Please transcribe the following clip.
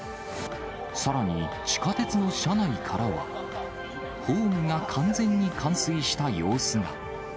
さらに地下鉄の車内からは、ホームが完全に冠水した様子が。